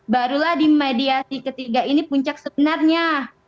barulah di mediasi ketiga ini puncak sebenarnya